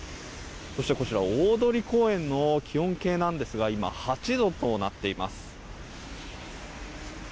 そして、大通公園の気温計ですが今、８度となっています。